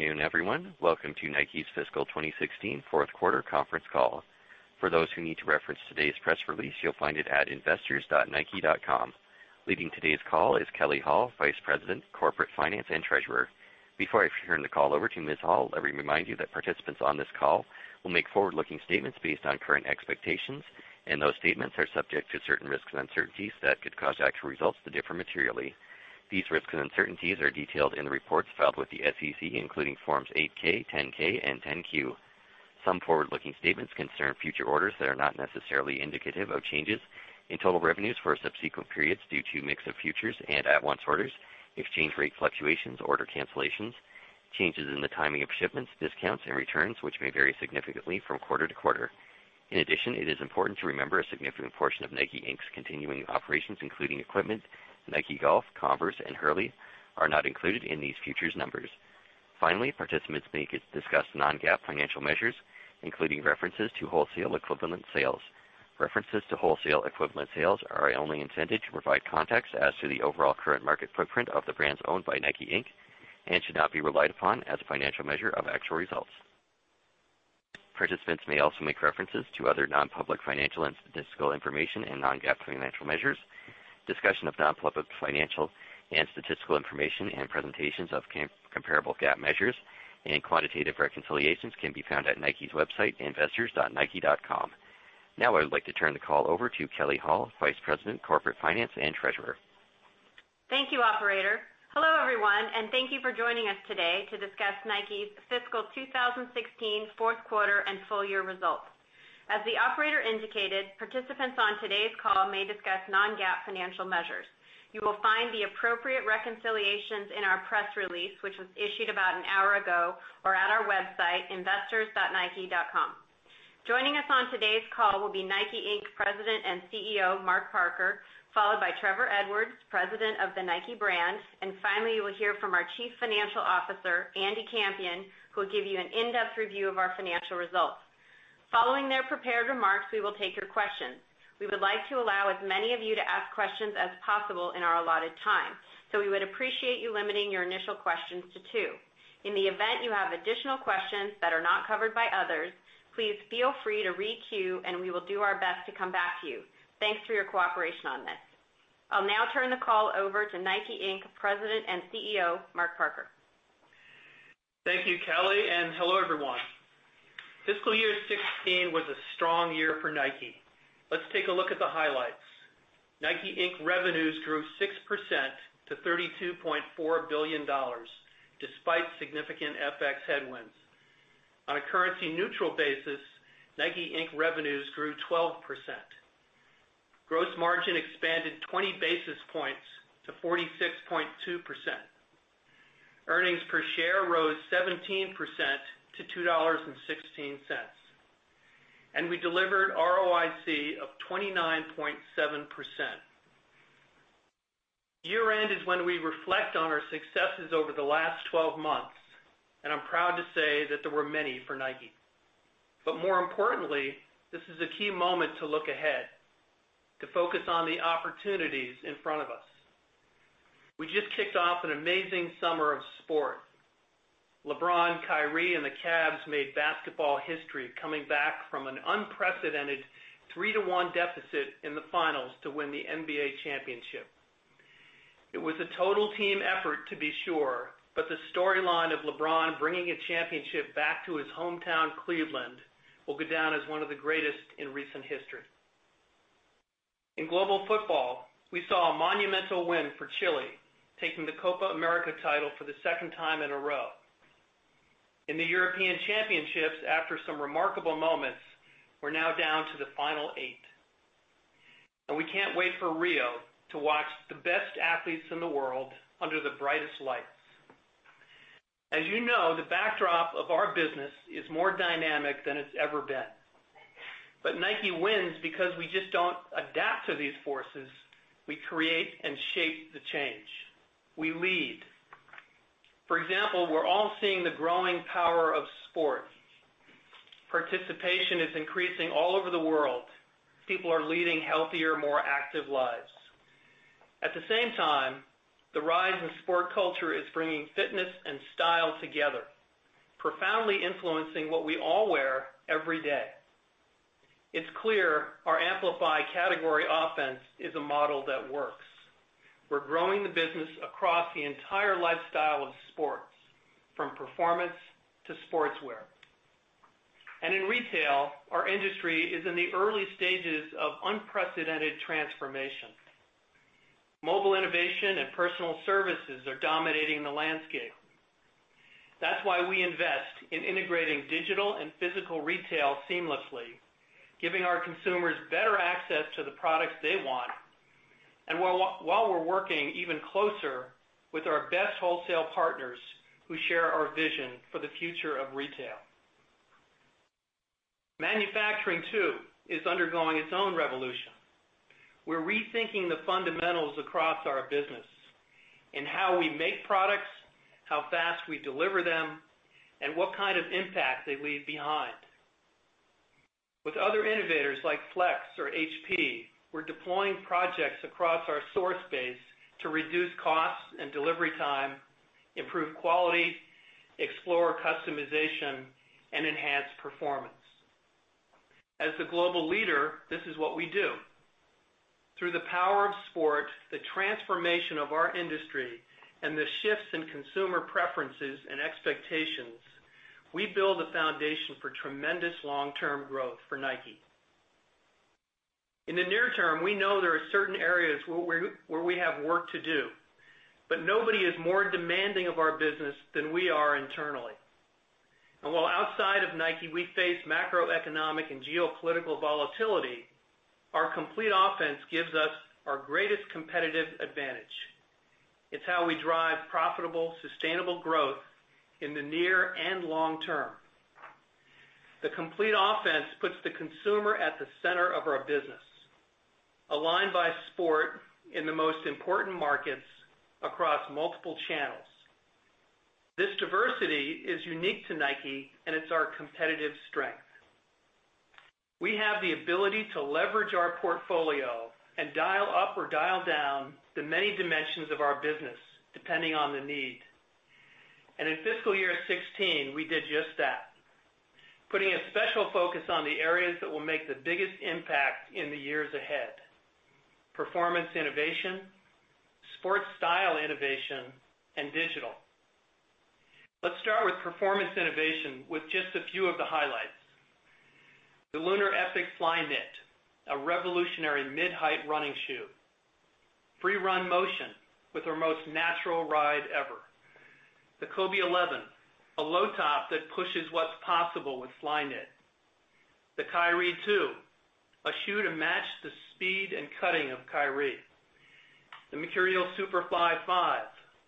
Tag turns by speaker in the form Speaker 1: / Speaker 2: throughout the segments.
Speaker 1: Good afternoon, everyone. Welcome to Nike's fiscal 2016 fourth quarter conference call. For those who need to reference today's press release, you'll find it at investors.nike.com. Leading today's call is Kelley Hall, Vice President, Corporate Finance and Treasurer. Before I turn the call over to Ms. Hall, let me remind you that participants on this call will make forward-looking statements based on current expectations, and those statements are subject to certain risks and uncertainties that could cause actual results to differ materially. These risks and uncertainties are detailed in the reports filed with the SEC, including Forms 8-K, 10-K, and 10-Q. Some forward-looking statements concern future orders that are not necessarily indicative of changes in total revenues for subsequent periods due to mix of futures and at-once orders, exchange rate fluctuations, order cancellations, changes in the timing of shipments, discounts, and returns, which may vary significantly from quarter to quarter. In addition, it is important to remember a significant portion of Nike, Inc.'s continuing operations, including equipment, Nike Golf, Converse, and Hurley, are not included in these futures numbers. Finally, participants may discuss non-GAAP financial measures, including references to wholesale equivalent sales. References to wholesale equivalent sales are only intended to provide context as to the overall current market footprint of the brands owned by Nike, Inc. and should not be relied upon as a financial measure of actual results. Participants may also make references to other non-public financial and statistical information and non-GAAP financial measures. Discussion of non-public financial and statistical information and presentations of comparable GAAP measures and quantitative reconciliations can be found at Nike's website, investors.nike.com. I would like to turn the call over to Kelley Hall, Vice President, Corporate Finance and Treasurer.
Speaker 2: Thank you, operator. Hello, everyone, and thank you for joining us today to discuss Nike's fiscal 2016 fourth quarter and full year results. As the operator indicated, participants on today's call may discuss non-GAAP financial measures. You will find the appropriate reconciliations in our press release, which was issued about an hour ago, or at our website, investors.nike.com. Joining us on today's call will be Nike, Inc.'s President and CEO, Mark Parker, followed by Trevor Edwards, President of the NIKE Brand. Finally, you will hear from our Chief Financial Officer, Andy Campion, who will give you an in-depth review of our financial results. Following their prepared remarks, we will take your questions. We would like to allow as many of you to ask questions as possible in our allotted time. We would appreciate you limiting your initial questions to two. In the event you have additional questions that are not covered by others, please feel free to re-queue, we will do our best to come back to you. Thanks for your cooperation on this. I'll now turn the call over to Nike, Inc.'s President and CEO, Mark Parker.
Speaker 3: Thank you, Kelley, and hello, everyone. Fiscal year 2016 was a strong year for Nike. Let's take a look at the highlights. Nike, Inc. revenues grew 6% to $32.4 billion, despite significant FX headwinds. On a currency-neutral basis, Nike, Inc. revenues grew 12%. Gross margin expanded 20 basis points to 46.2%. Earnings per share rose 17% to $2.16. We delivered ROIC of 29.7%. Year-end is when we reflect on our successes over the last 12 months, and I'm proud to say that there were many for Nike. More importantly, this is a key moment to look ahead, to focus on the opportunities in front of us. We just kicked off an amazing summer of sport. LeBron, Kyrie, and the Cavs made basketball history coming back from an unprecedented 3 to 1 deficit in the finals to win the NBA championship. It was a total team effort, to be sure. The storyline of LeBron bringing a championship back to his hometown, Cleveland, will go down as one of the greatest in recent history. In global football, we saw a monumental win for Chile, taking the Copa América title for the second time in a row. In the European Championships, after some remarkable moments, we're now down to the final eight. We can't wait for Rio to watch the best athletes in the world under the brightest lights. As you know, the backdrop of our business is more dynamic than it's ever been. Nike wins because we just don't adapt to these forces. We create and shape the change. We lead. For example, we're all seeing the growing power of sport. Participation is increasing all over the world. People are leading healthier, more active lives. At the same time, the rise in sport culture is bringing fitness and style together, profoundly influencing what we all wear every day. It's clear our amplify category offense is a model that works. We're growing the business across the entire lifestyle of sports, from performance to sportswear. In retail, our industry is in the early stages of unprecedented transformation. Mobile innovation and personal services are dominating the landscape. That's why we invest in integrating digital and physical retail seamlessly, giving our consumers better access to the products they want and while we're working even closer with our best wholesale partners who share our vision for the future of retail. Manufacturing, too, is undergoing its own revolution. We're rethinking the fundamentals across our business in how we make products, how fast we deliver them, and what kind of impact they leave behind. With other innovators like Flex or HP, we're deploying projects across our source base to reduce costs and delivery time, improve quality, explore customization, and enhance performance. As the global leader, this is what we do. Through the power of sport, the transformation of our industry, and the shifts in consumer preferences and expectations, we build a foundation for tremendous long-term growth for Nike. In the near term, we know there are certain areas where we have work to do. Nobody is more demanding of our business than we are internally. While outside of Nike, we face macroeconomic and geopolitical volatility, our complete offense gives us our greatest competitive advantage. It's how we drive profitable, sustainable growth in the near and long term. The complete offense puts the consumer at the center of our business, aligned by sport in the most important markets across multiple channels. This diversity is unique to Nike and it's our competitive strength. We have the ability to leverage our portfolio and dial up or dial down the many dimensions of our business, depending on the need. In fiscal year 2016, we did just that, putting a special focus on the areas that will make the biggest impact in the years ahead, performance innovation, sport style innovation, and digital. Let's start with performance innovation with just a few of the highlights. The LunarEpic Flyknit, a revolutionary mid-height running shoe. Free RN Motion Flyknit with our most natural ride ever. The Kobe XI, a low top that pushes what's possible with Flyknit. The Kyrie 2, a shoe to match the speed and cutting of Kyrie. The Mercurial Superfly V,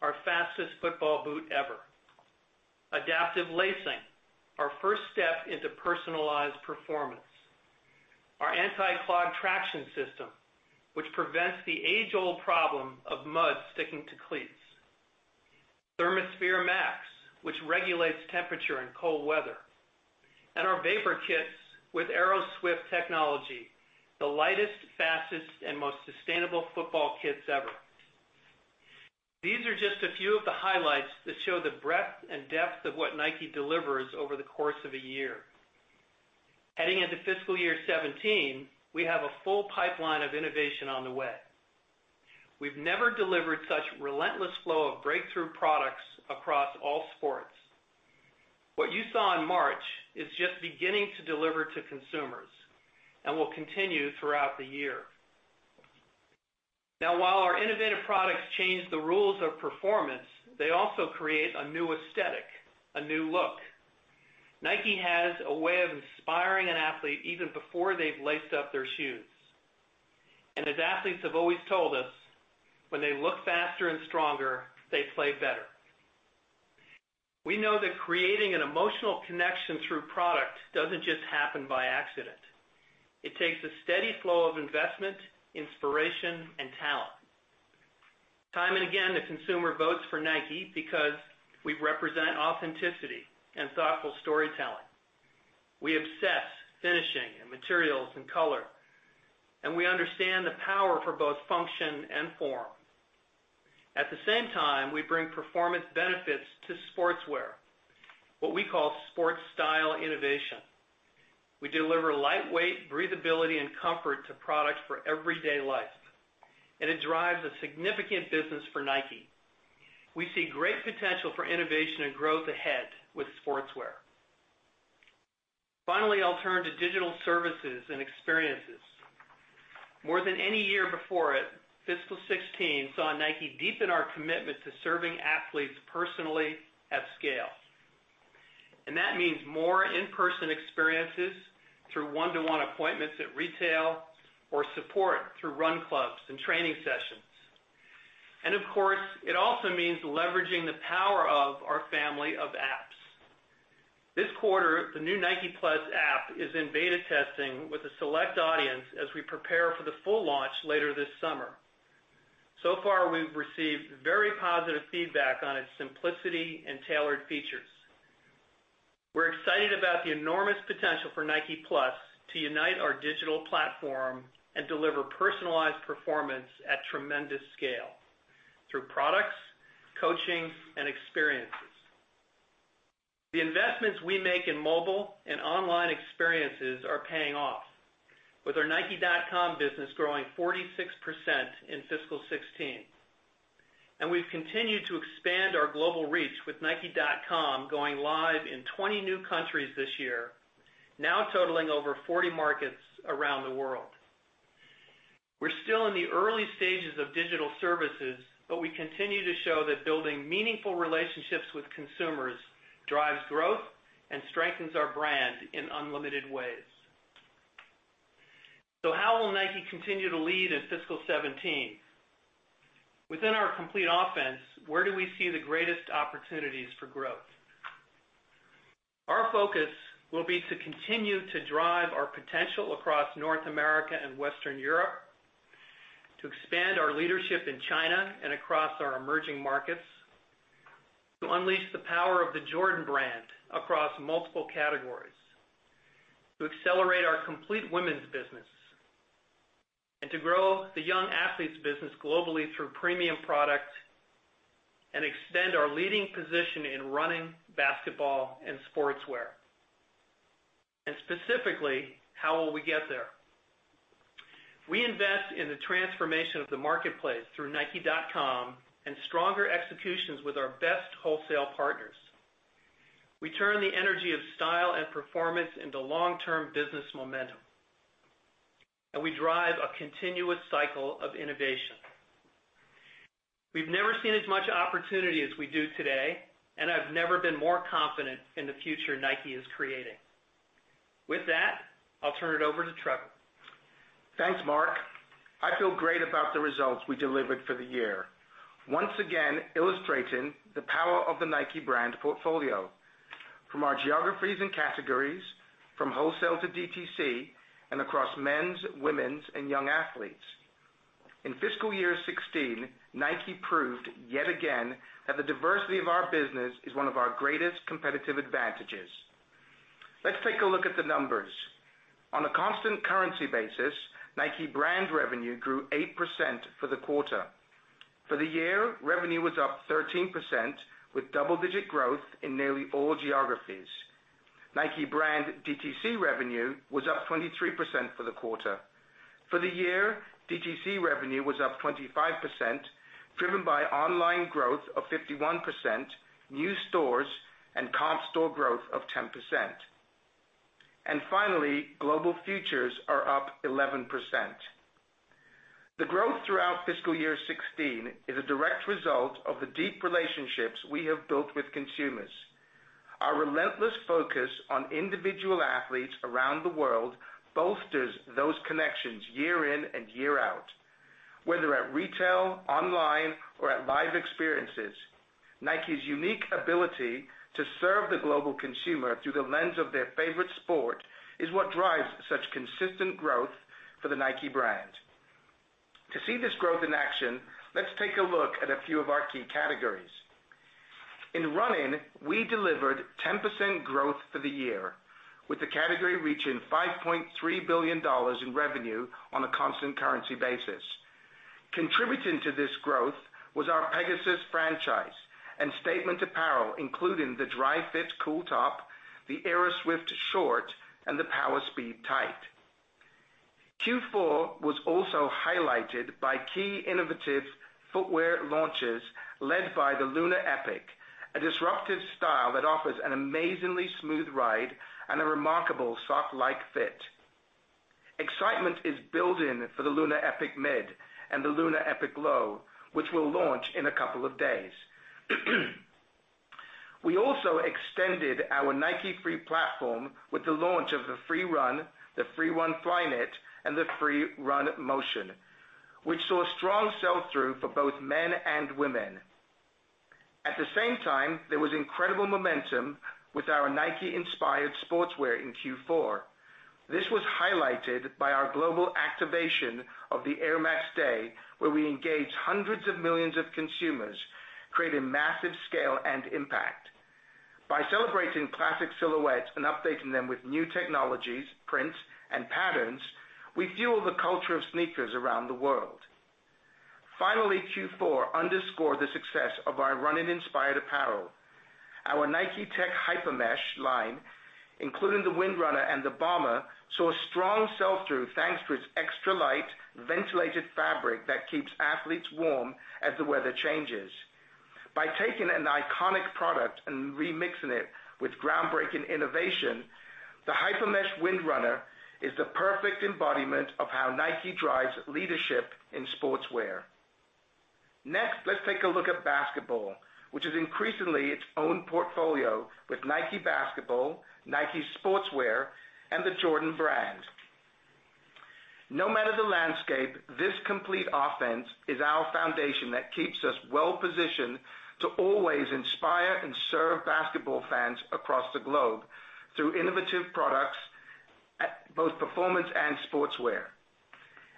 Speaker 3: our fastest football boot ever. Adaptive lacing, our first step into personalized performance. Our anti-clog traction system, which prevents the age-old problem of mud sticking to cleats. Therma-Sphere Max, which regulates temperature in cold weather. Our Vapor kits with AeroSwift technology, the lightest, fastest and most sustainable football kits ever. These are just a few of the highlights that show the breadth and depth of what Nike delivers over the course of a year. Heading into fiscal year 2017, we have a full pipeline of innovation on the way. We've never delivered such relentless flow of breakthrough products across all sports. What you saw in March is just beginning to deliver to consumers and will continue throughout the year. While our innovative products change the rules of performance, they also create a new aesthetic, a new look. Nike has a way of inspiring an athlete even before they've laced up their shoes. As athletes have always told us, when they look faster and stronger, they play better. We know that creating an emotional connection through product doesn't just happen by accident. It takes a steady flow of investment, inspiration, and talent. Time and again, the consumer votes for Nike because we represent authenticity and thoughtful storytelling. We obsess finishing and materials and color, and we understand the power for both function and form. At the same time, we bring performance benefits to sportswear, what we call sport style innovation. We deliver lightweight breathability and comfort to products for everyday life, and it drives a significant business for Nike. We see great potential for innovation and growth ahead with sportswear. Finally, I'll turn to digital services and experiences. More than any year before it, fiscal 2016 saw Nike deepen our commitment to serving athletes personally at scale. That means more in-person experiences through one-to-one appointments at retail or support through run clubs and training sessions. Of course, it also means leveraging the power of our family of apps. This quarter, the new Nike+ app is in beta testing with a select audience as we prepare for the full launch later this summer. So far, we've received very positive feedback on its simplicity and tailored features. We're excited about the enormous potential for Nike+ to unite our digital platform and deliver personalized performance at tremendous scale through products, coaching, and experiences. The investments we make in mobile and online experiences are paying off with our nike.com business growing 46% in fiscal 2016. We've continued to expand our global reach with nike.com going live in 20 new countries this year, now totaling over 40 markets around the world. We're still in the early stages of digital services. We continue to show that building meaningful relationships with consumers drives growth and strengthens our brand in unlimited ways. How will Nike continue to lead in fiscal 2017? Within our complete offense, where do we see the greatest opportunities for growth? Our focus will be to continue to drive our potential across North America and Western Europe, to expand our leadership in China and across our emerging markets, to unleash the power of the Jordan Brand across multiple categories, to accelerate our complete women's business, and to grow the young athletes business globally through premium product and extend our leading position in running, basketball and sportswear. Specifically, how will we get there? We invest in the transformation of the marketplace through nike.com and stronger executions with our best wholesale partners. We turn the energy of style and performance into long-term business momentum. We drive a continuous cycle of innovation. We've never seen as much opportunity as we do today, and I've never been more confident in the future Nike is creating. With that, I'll turn it over to Trevor.
Speaker 4: Thanks, Mark. I feel great about the results we delivered for the year. Once again, illustrating the power of the Nike Brand portfolio. From our geographies and categories, from wholesale to DTC, and across men's, women's, and young athletes. In fiscal year 2016, Nike proved yet again that the diversity of our business is one of our greatest competitive advantages. Let's take a look at the numbers. On a constant currency basis, Nike Brand revenue grew 8% for the quarter. For the year, revenue was up 13%, with double-digit growth in nearly all geographies. Nike Brand DTC revenue was up 23% for the quarter. For the year, DTC revenue was up 25%, driven by online growth of 51%, new stores, and comp store growth of 10%. Finally, global futures are up 11%. The growth throughout fiscal year 2016 is a direct result of the deep relationships we have built with consumers. Our relentless focus on individual athletes around the world bolsters those connections year in and year out, whether at retail, online, or at live experiences. Nike's unique ability to serve the global consumer through the lens of their favorite sport is what drives such consistent growth for the Nike Brand. To see this growth in action, let's take a look at a few of our key categories. In running, we delivered 10% growth for the year, with the category reaching $5.3 billion in revenue on a constant currency basis. Contributing to this growth was our Nike Pegasus franchise and statement apparel including the Dri-FIT Cool Top, the Nike AeroSwift Short, and the Nike Power Speed Tight. Q4 was also highlighted by key innovative footwear launches led by the LunarEpic, a disruptive style that offers an amazingly smooth ride and a remarkable sock-like fit. Excitement is building for the LunarEpic Mid and the LunarEpic Low, which will launch in a couple of days. We also extended our Nike Free platform with the launch of the Free RN, the Free RN Flyknit, and the Free RN Motion Flyknit, which saw strong sell-through for both men and women. At the same time, there was incredible momentum with our Nike-inspired sportswear in Q4. This was highlighted by our global activation of the Air Max Day, where we engaged hundreds of millions of consumers, creating massive scale and impact. By celebrating classic silhouettes and updating them with new technologies, prints, and patterns, we fuel the culture of sneakers around the world. Finally, Q4 underscored the success of our running-inspired apparel. Our Nike Tech Hypermesh line, including the Windrunner and the Bomber, saw strong sell-through thanks to its extra light, ventilated fabric that keeps athletes warm as the weather changes. By taking an iconic product and remixing it with groundbreaking innovation, the Hypermesh Windrunner is the perfect embodiment of how Nike drives leadership in sportswear. Next, let's take a look at basketball, which is increasingly its own portfolio with Nike Basketball, Nike Sportswear, and the Jordan Brand. No matter the landscape, this complete offense is our foundation that keeps us well-positioned to always inspire and serve basketball fans across the globe through innovative products at both performance and sportswear.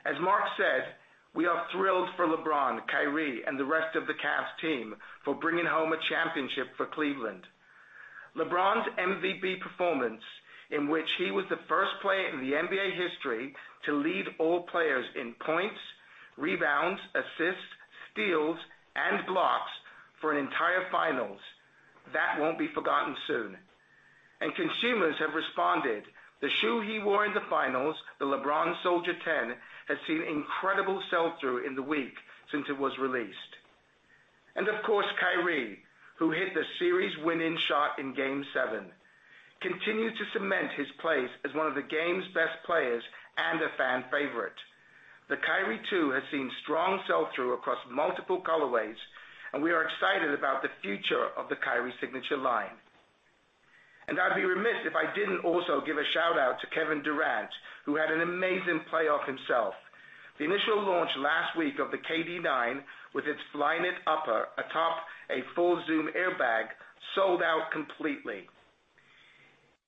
Speaker 4: As Mark said, we are thrilled for LeBron, Kyrie, and the rest of the Cavs team for bringing home a championship for Cleveland. LeBron's MVP performance, in which he was the first player in NBA history to lead all players in points, rebounds, assists, steals, and blocks for an entire finals. That won't be forgotten soon. Consumers have responded. The shoe he wore in the finals, the LeBron Soldier 10, has seen incredible sell-through in the week since it was released. Of course, Kyrie, who hit the series winning shot in game seven, continued to cement his place as one of the game's best players and a fan favorite. The Kyrie 2 has seen strong sell-through across multiple colorways, and we are excited about the future of the Kyrie signature line. I'd be remiss if I didn't also give a shout-out to Kevin Durant, who had an amazing playoff himself. The initial launch last week of the KD 9, with its Flyknit upper atop a full Zoom airbag, sold out completely.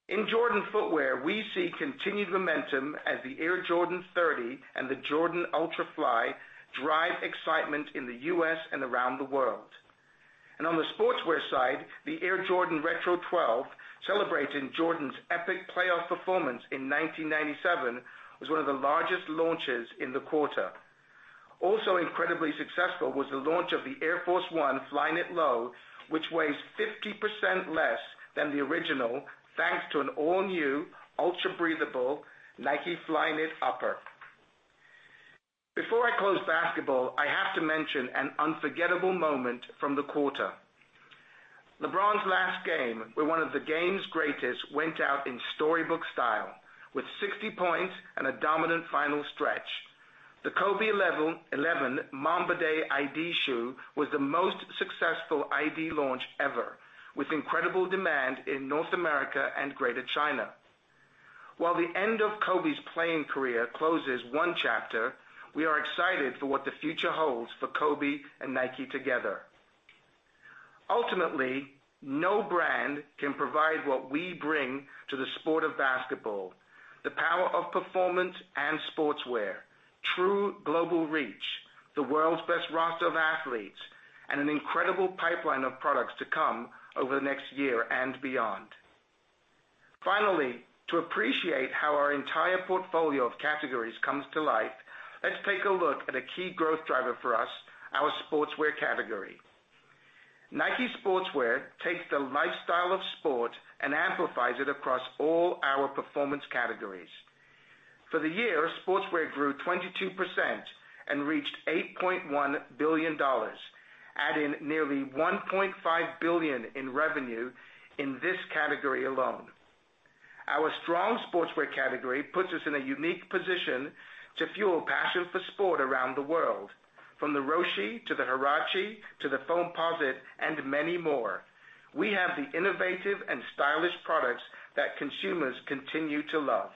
Speaker 4: In Jordan footwear, we see continued momentum as the Air Jordan XXX and the Jordan Ultra.Fly drive excitement in the U.S. and around the world. On the sportswear side, the Air Jordan 12 Retro, celebrating Jordan's epic playoff performance in 1997, was one of the largest launches in the quarter. Also incredibly successful was the launch of the Air Force 1 Flyknit Low, which weighs 50% less than the original, thanks to an all-new ultra-breathable Nike Flyknit upper. Before I close basketball, I have to mention an unforgettable moment from the quarter. Kobe's last game, where one of the game's greatest went out in storybook style with 60 points and a dominant final stretch. The Kobe 11 Mamba Day iD shoe was the most successful iD launch ever, with incredible demand in North America and Greater China. While the end of Kobe's playing career closes one chapter, we are excited for what the future holds for Kobe and Nike together. Ultimately, no brand can provide what we bring to the sport of basketball, the power of performance and sportswear, true global reach, the world's best roster of athletes, an incredible pipeline of products to come over the next year and beyond. Finally, to appreciate how our entire portfolio of categories comes to life, let's take a look at a key growth driver for us, our sportswear category. Nike Sportswear takes the lifestyle of sport and amplifies it across all our performance categories. For the year, sportswear grew 22% and reached $8.1 billion, adding nearly $1.5 billion in revenue in this category alone. Our strong sportswear category puts us in a unique position to fuel passion for sport around the world, from the Roshe to the Huarache to the Foamposite and many more. We have the innovative and stylish products that consumers continue to love.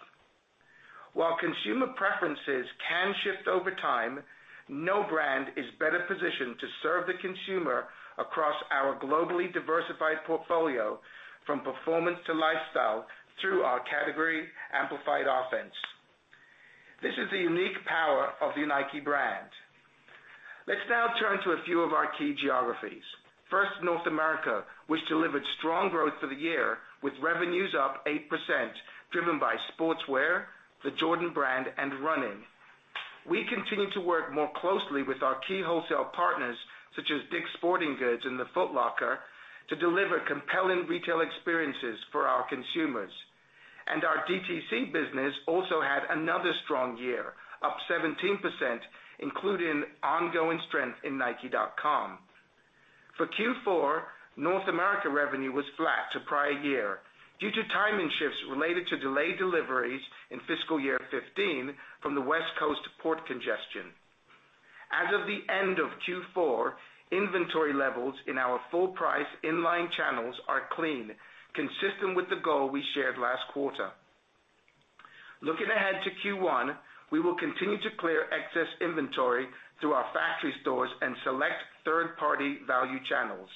Speaker 4: While consumer preferences can shift over time, no brand is better positioned to serve the consumer across our globally diversified portfolio, from performance to lifestyle, through our category-amplified offense. This is the unique power of the Nike brand. Let's now turn to a few of our key geographies. First, North America, which delivered strong growth for the year, with revenues up 8%, driven by sportswear, the Jordan Brand, and running. We continue to work more closely with our key wholesale partners, such as Dick's Sporting Goods and the Foot Locker, to deliver compelling retail experiences for our consumers. Our DTC business also had another strong year, up 17%, including ongoing strength in nike.com. For Q4, North America revenue was flat to prior year due to timing shifts related to delayed deliveries in fiscal year 2015 from the West Coast port congestion. As of the end of Q4, inventory levels in our full price in-line channels are clean, consistent with the goal we shared last quarter. Looking ahead to Q1, we will continue to clear excess inventory through our factory stores and select third-party value channels.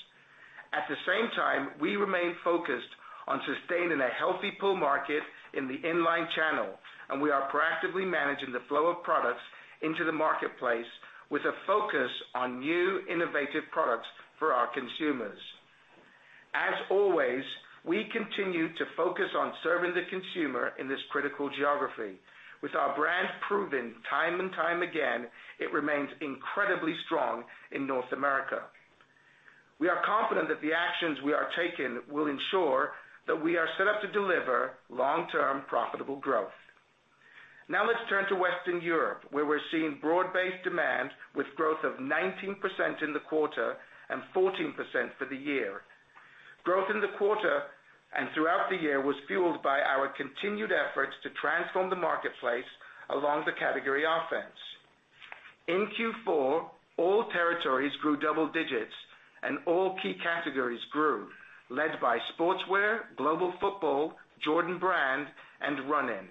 Speaker 4: At the same time, we remain focused on sustaining a healthy pull market in the in-line channel. We are proactively managing the flow of products into the marketplace with a focus on new, innovative products for our consumers. As always, we continue to focus on serving the consumer in this critical geography. With our brand proven time and time again, it remains incredibly strong in North America. We are confident that the actions we are taking will ensure that we are set up to deliver long-term profitable growth. Now let's turn to Western Europe, where we're seeing broad-based demand with growth of 19% in the quarter and 14% for the year. Growth in the quarter and throughout the year was fueled by our continued efforts to transform the marketplace along the category offense. In Q4, all territories grew double digits and all key categories grew, led by sportswear, global football, Jordan Brand, and running.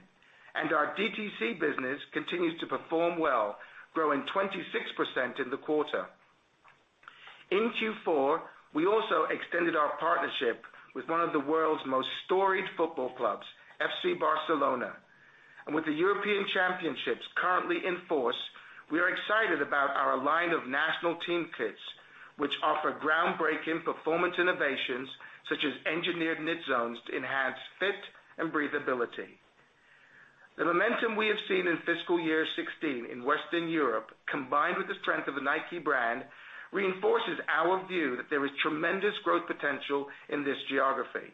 Speaker 4: Our DTC business continues to perform well, growing 26% in the quarter. In Q4, we also extended our partnership with one of the world's most storied football clubs, FC Barcelona. With the European Championship currently in force, we are excited about our line of national team kits, which offer groundbreaking performance innovations such as engineered knit zones to enhance fit and breathability. The momentum we have seen in fiscal year 2016 in Western Europe, combined with the strength of the Nike brand, reinforces our view that there is tremendous growth potential in this geography.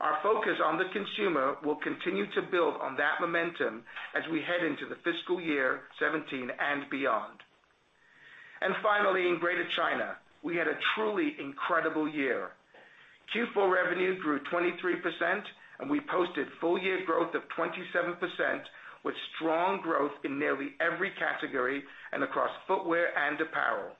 Speaker 4: Our focus on the consumer will continue to build on that momentum as we head into the fiscal year 2017 and beyond. Finally, in Greater China, we had a truly incredible year. Q4 revenue grew 23% and we posted full-year growth of 27%, with strong growth in nearly every category and across footwear and apparel.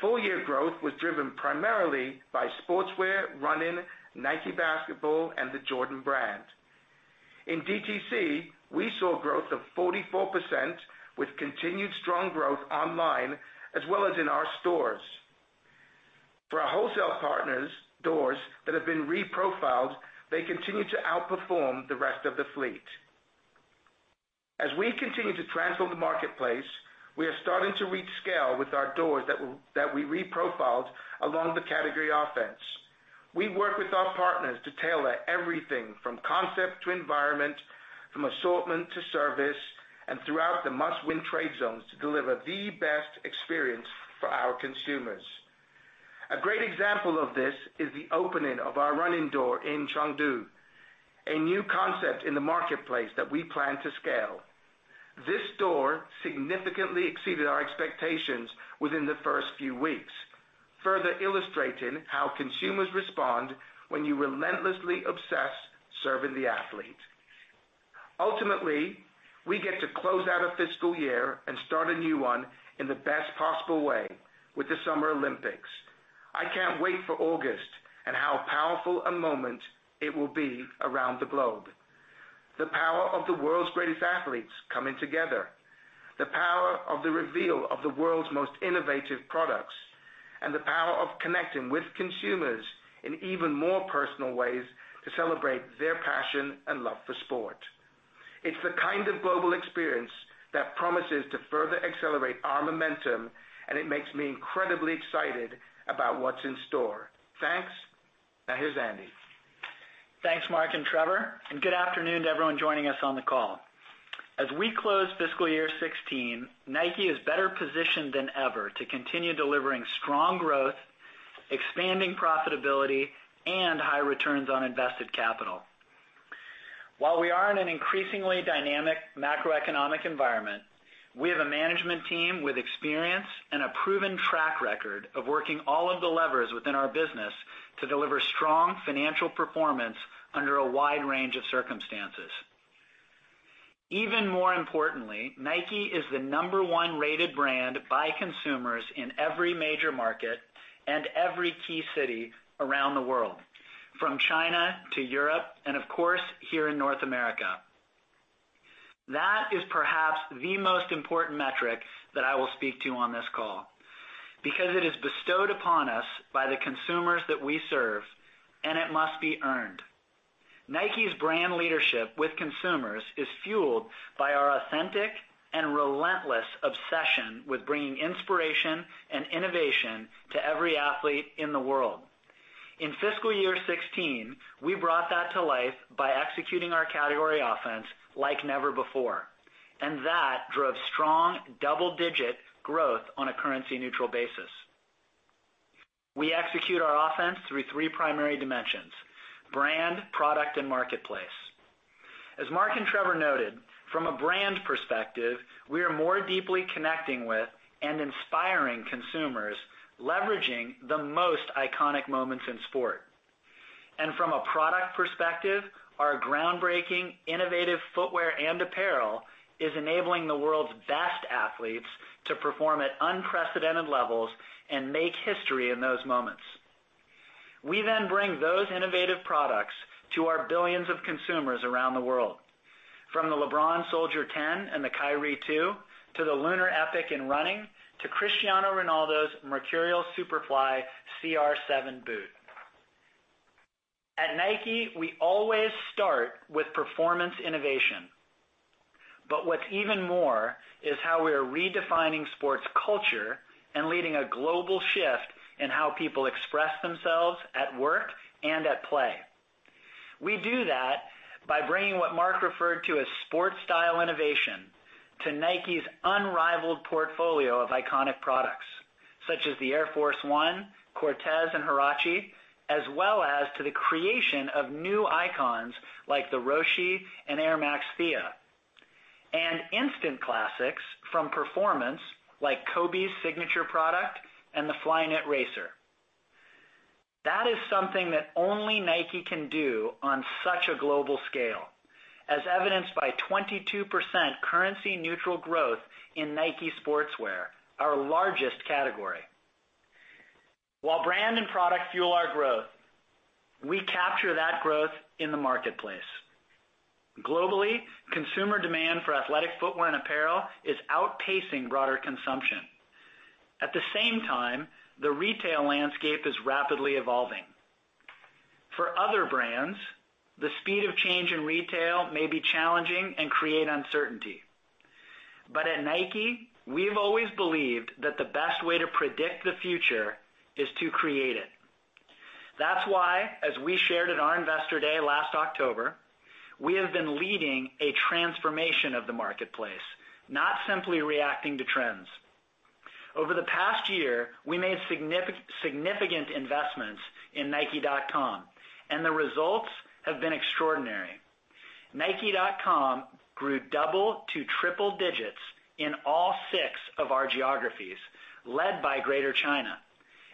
Speaker 4: Full year growth was driven primarily by sportswear, running, Nike Basketball and the Jordan Brand. In DTC, we saw growth of 44% with continued strong growth online as well as in our stores. For our wholesale partners' doors that have been reprofiled, they continue to outperform the rest of the fleet. As we continue to transform the marketplace, we are starting to reach scale with our doors that we reprofiled along the category offense. We work with our partners to tailor everything from concept to environment, from assortment to service and throughout the must-win trade zones to deliver the best experience for our consumers. A great example of this is the opening of our running door in Chengdu. A new concept in the marketplace that we plan to scale. This store significantly exceeded our expectations within the first few weeks, further illustrating how consumers respond when you relentlessly obsess serving the athlete. Ultimately, we get to close out a fiscal year and start a new one in the best possible way with the Summer Olympics. I can't wait for August and how powerful a moment it will be around the globe. The power of the world's greatest athletes coming together, the power of the reveal of the world's most innovative products, and the power of connecting with consumers in even more personal ways to celebrate their passion and love for sport. It's the kind of global experience that promises to further accelerate our momentum, and it makes me incredibly excited about what's in store. Thanks. Now here's Andy.
Speaker 5: Thanks, Mark and Trevor, and good afternoon to everyone joining us on the call. As we close fiscal year 2016, Nike is better positioned than ever to continue delivering strong growth, expanding profitability and high returns on invested capital. While we are in an increasingly dynamic macroeconomic environment, we have a management team with experience and a proven track record of working all of the levers within our business to deliver strong financial performance under a wide range of circumstances. Even more importantly, Nike is the number one rated brand by consumers in every major market and every key city around the world, from China to Europe, and of course, here in North America. That is perhaps the most important metric that I will speak to you on this call because it is bestowed upon us by the consumers that we serve, and it must be earned. Nike's brand leadership with consumers is fueled by our authentic and relentless obsession with bringing inspiration and innovation to every athlete in the world. In fiscal year 2016, we brought that to life by executing our category offense like never before. That drove strong double-digit growth on a currency-neutral basis. We execute our offense through three primary dimensions: brand, product, and marketplace. As Mark and Trevor noted, from a brand perspective, we are more deeply connecting with and inspiring consumers, leveraging the most iconic moments in sport. From a product perspective, our groundbreaking innovative footwear and apparel is enabling the world's best athletes to perform at unprecedented levels and make history in those moments. We bring those innovative products to our billions of consumers around the world. From the LeBron Soldier 10 and the Kyrie 2, to the LunarEpic in running, to Cristiano Ronaldo's Mercurial Superfly CR7 boot. At Nike, we always start with performance innovation. What's even more is how we are redefining sports culture and leading a global shift in how people express themselves at work and at play. We do that by bringing what Mark referred to as sport style innovation to Nike's unrivaled portfolio of iconic products such as the Air Force 1, Cortez and Huarache, as well as to the creation of new icons like the Roshe and Air Max Thea. Instant classics from performance like Kobe's signature product and the Flyknit Racer. That is something that only Nike can do on such a global scale, as evidenced by 22% currency-neutral growth in Nike Sportswear, our largest category. While brand and product fuel our growth, we capture that growth in the marketplace. Globally, consumer demand for athletic footwear and apparel is outpacing broader consumption. At the same time, the retail landscape is rapidly evolving. For other brands, the speed of change in retail may be challenging and create uncertainty. At Nike, we've always believed that the best way to predict the future is to create it. That's why, as we shared at our investor day last October, we have been leading a transformation of the marketplace, not simply reacting to trends. Over the past year, we made significant investments in nike.com. The results have been extraordinary. nike.com grew double to triple digits in all six of our geographies, led by Greater China,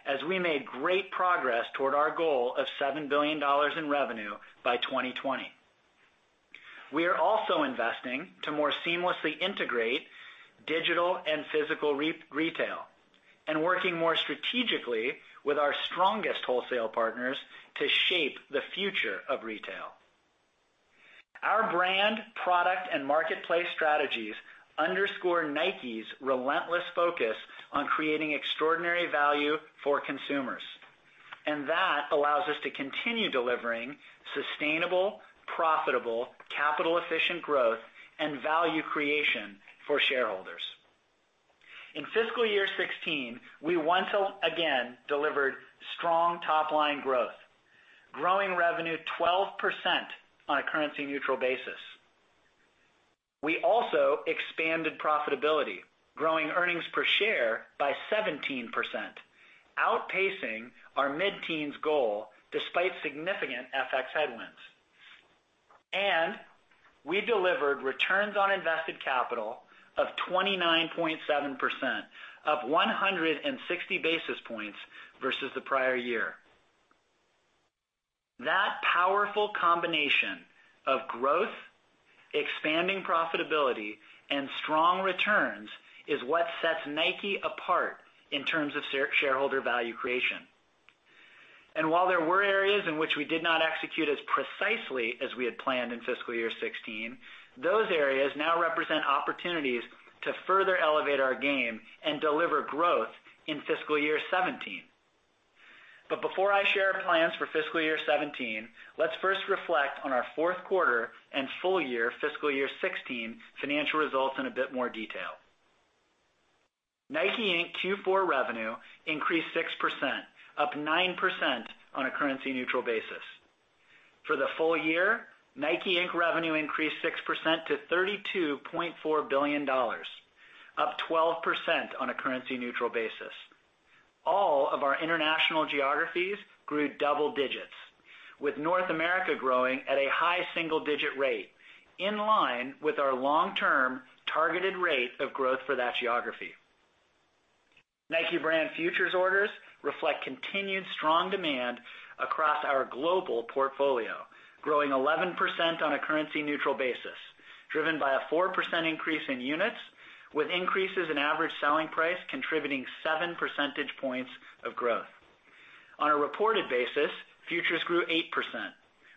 Speaker 5: as we made great progress toward our goal of $7 billion in revenue by 2020. We are also investing to more seamlessly integrate digital and physical retail and working more strategically with our strongest wholesale partners to shape the future of retail. Our brand, product, and marketplace strategies underscore Nike's relentless focus on creating extraordinary value for consumers. That allows us to continue delivering sustainable, profitable, capital-efficient growth and value creation for shareholders. In fiscal year 2016, we once again delivered strong top-line growth, growing revenue 12% on a currency-neutral basis. We also expanded profitability, growing earnings per share by 17%, outpacing our mid-teens goal despite significant FX headwinds. We delivered returns on invested capital of 29.7%, up 160 basis points versus the prior year. That powerful combination of growth, expanding profitability, and strong returns is what sets Nike apart in terms of shareholder value creation. While there were areas in which we did not execute as precisely as we had planned in fiscal year 2016, those areas now represent opportunities to further elevate our game and deliver growth in fiscal year 2017. Before I share our plans for fiscal year 2017, let's first reflect on our fourth quarter and full year fiscal year 2016 financial results in a bit more detail. Nike, Inc. Q4 revenue increased 6%, up 9% on a currency-neutral basis. For the full year, Nike, Inc. revenue increased 6% to $32.4 billion, up 12% on a currency-neutral basis. All of our international geographies grew double digits, with North America growing at a high single-digit rate, in line with our long-term targeted rate of growth for that geography. Nike Brand futures orders reflect continued strong demand across our global portfolio, growing 11% on a currency-neutral basis, driven by a 4% increase in units, with increases in average selling price contributing seven percentage points of growth. On a reported basis, futures grew 8%,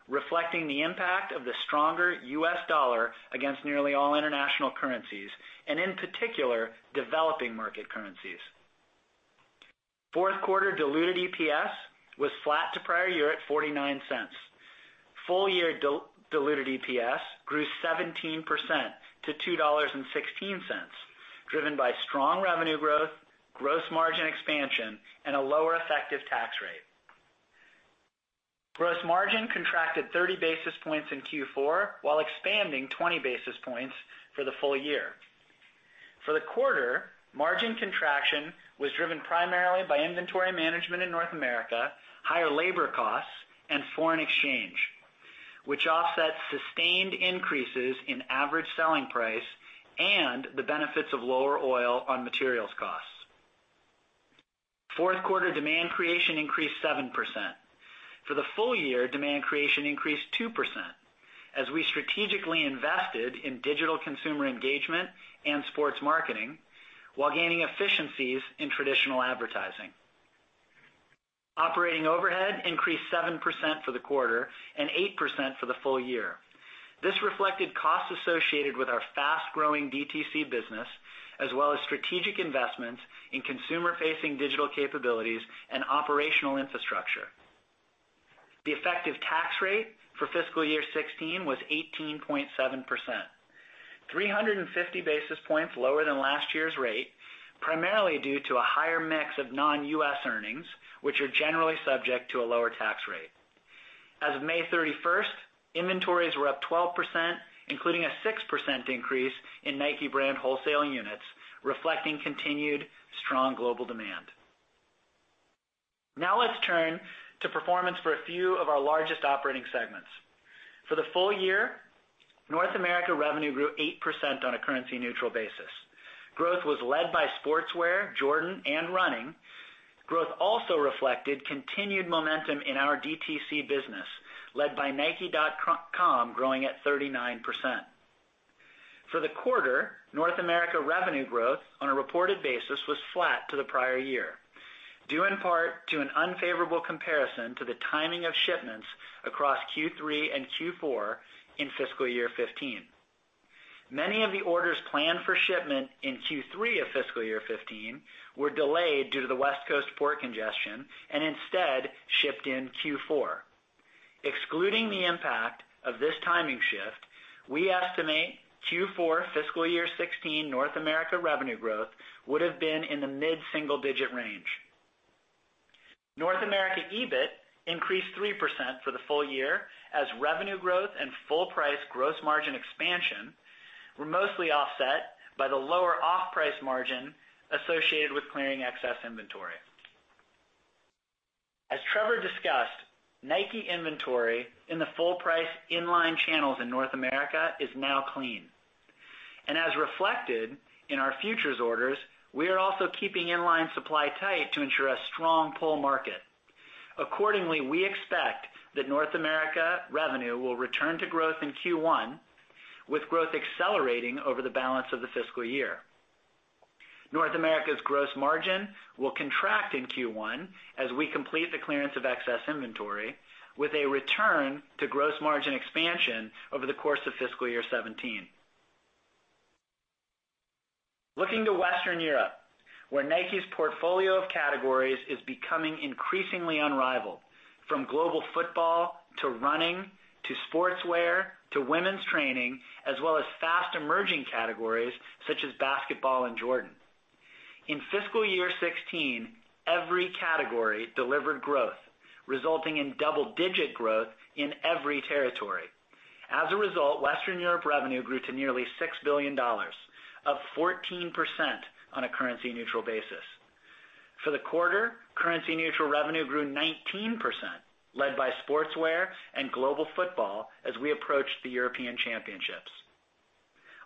Speaker 5: reflecting the impact of the stronger U.S. dollar against nearly all international currencies and, in particular, developing market currencies. Fourth quarter diluted EPS was flat to prior year at $0.49. Full-year diluted EPS grew 17% to $2.16, driven by strong revenue growth, gross margin expansion, and a lower effective tax rate. Gross margin contracted 30 basis points in Q4 while expanding 20 basis points for the full year. For the quarter, margin contraction was driven primarily by inventory management in North America, higher labor costs, and foreign exchange, which offset sustained increases in average selling price and the benefits of lower oil on materials costs. Fourth quarter demand creation increased 7%. For the full year, demand creation increased 2% as we strategically invested in digital consumer engagement and sports marketing while gaining efficiencies in traditional advertising. Operating overhead increased 7% for the quarter and 8% for the full year. This reflected costs associated with our fast-growing DTC business as well as strategic investments in consumer-facing digital capabilities and operational infrastructure. The effective tax rate for fiscal year 2016 was 18.7%, 350 basis points lower than last year's rate, primarily due to a higher mix of non-U.S. earnings, which are generally subject to a lower tax rate. As of May 31st, inventories were up 12%, including a 6% increase in Nike Brand wholesaling units, reflecting continued strong global demand. Let's turn to performance for a few of our largest operating segments. For the full year, North America revenue grew 8% on a currency-neutral basis. Growth was led by Sportswear, Jordan, and Running. Growth also reflected continued momentum in our DTC business, led by nike.com, growing at 39%. For the quarter, North America revenue growth on a reported basis was flat to the prior year, due in part to an unfavorable comparison to the timing of shipments across Q3 and Q4 in fiscal year 2015. Many of the orders planned for shipment in Q3 of fiscal year 2015 were delayed due to the West Coast port congestion and instead shipped in Q4. Excluding the impact of this timing shift, we estimate Q4 fiscal year 2016 North America revenue growth would have been in the mid-single-digit range. North America EBIT increased 3% for the full year as revenue growth and full-price gross margin expansion were mostly offset by the lower off-price margin associated with clearing excess inventory. As Trevor discussed, Nike inventory in the full-price in-line channels in North America is now clean. As reflected in our futures orders, we are also keeping in-line supply tight to ensure a strong pull market. Accordingly, we expect that North America revenue will return to growth in Q1, with growth accelerating over the balance of the fiscal year. North America's gross margin will contract in Q1 as we complete the clearance of excess inventory, with a return to gross margin expansion over the course of fiscal year 2017. Looking to Western Europe, where Nike's portfolio of categories is becoming increasingly unrivaled, from global football to running, to sportswear, to women's training, as well as fast emerging categories such as basketball and Jordan. In fiscal year 2016, every category delivered growth, resulting in double-digit growth in every territory. As a result, Western Europe revenue grew to nearly $6 billion, up 14% on a currency-neutral basis. For the quarter, currency-neutral revenue grew 19%, led by sportswear and global football as we approached the European Championship.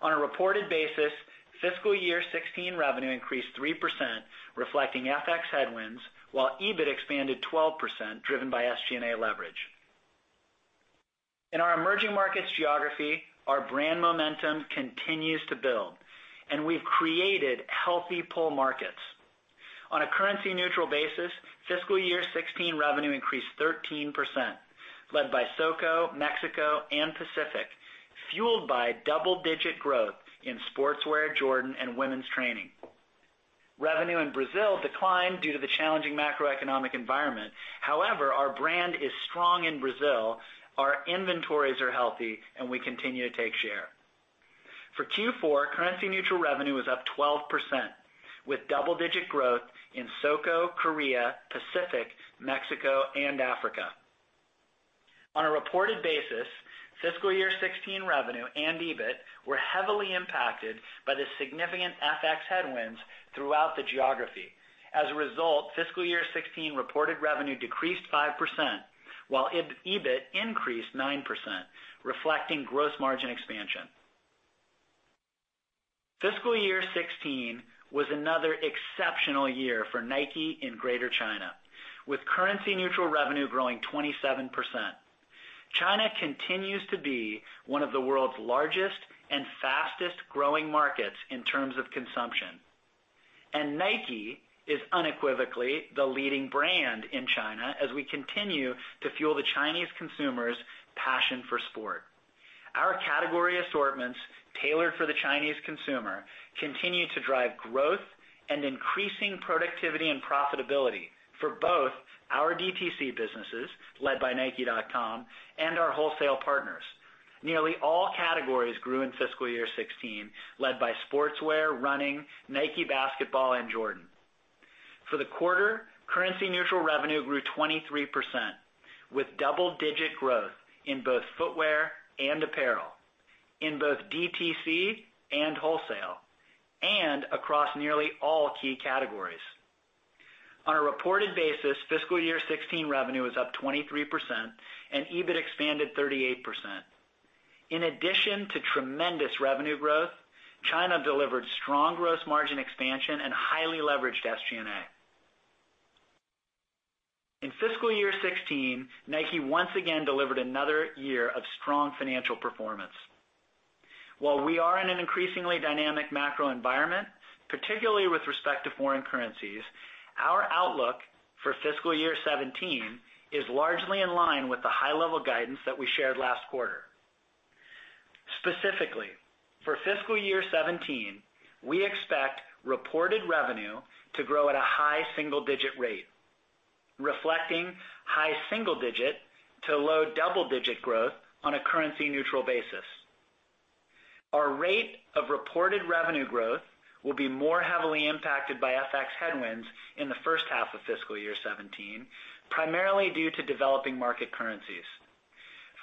Speaker 5: On a reported basis, fiscal year 2016 revenue increased 3%, reflecting FX headwinds, while EBIT expanded 12%, driven by SG&A leverage. In our emerging markets geography, our brand momentum continues to build, and we've created healthy pull markets. On a currency-neutral basis, fiscal year 2016 revenue increased 13%, led by SOCO, Mexico, and Pacific, fueled by double-digit growth in sportswear, Jordan, and women's training. Revenue in Brazil declined due to the challenging macroeconomic environment. However, our brand is strong in Brazil, our inventories are healthy, and we continue to take share. For Q4, currency-neutral revenue was up 12%, with double-digit growth in SOCO, Korea, Pacific, Mexico, and Africa. On a reported basis, fiscal year 2016 revenue and EBIT were heavily impacted by the significant FX headwinds throughout the geography. As a result, fiscal year 2016 reported revenue decreased 5%, while EBIT increased 9%, reflecting gross margin expansion. Fiscal year 2016 was another exceptional year for Nike in Greater China, with currency-neutral revenue growing 27%. China continues to be one of the world's largest and fastest-growing markets in terms of consumption. Nike is unequivocally the leading brand in China as we continue to fuel the Chinese consumers' passion for sport. Our category assortments, tailored for the Chinese consumer, continue to drive growth and increasing productivity and profitability for both our DTC businesses, led by nike.com, and our wholesale partners. Nearly all categories grew in fiscal year 2016, led by sportswear, running, Nike Basketball, and Jordan. For the quarter, currency-neutral revenue grew 23%, with double-digit growth in both footwear and apparel, in both DTC and wholesale, and across nearly all key categories. On a reported basis, fiscal year 2016 revenue was up 23% and EBIT expanded 38%. In addition to tremendous revenue growth, China delivered strong gross margin expansion and highly leveraged SG&A. In fiscal year 2016, Nike once again delivered another year of strong financial performance. While we are in an increasingly dynamic macro environment, particularly with respect to foreign currencies, our outlook for fiscal year 2017 is largely in line with the high-level guidance that we shared last quarter. Specifically, for fiscal year 2017, we expect reported revenue to grow at a high single-digit rate, reflecting high single-digit to low double-digit growth on a currency-neutral basis. Our rate of reported revenue growth will be more heavily impacted by FX headwinds in the first half of fiscal year 2017, primarily due to developing market currencies.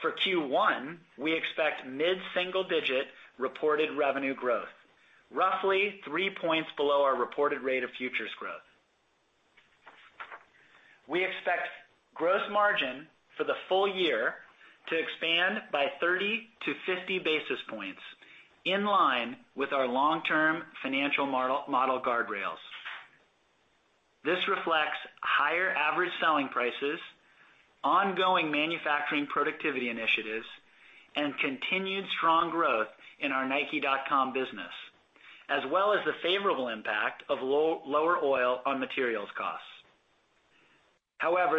Speaker 5: For Q1, we expect mid-single-digit reported revenue growth, roughly three points below our reported rate of futures growth. We expect gross margin for the full year to expand by 30-50 basis points, in line with our long-term financial model guardrails. This reflects higher average selling prices, ongoing manufacturing productivity initiatives, and continued strong growth in our nike.com business, as well as the favorable impact of lower oil on materials costs.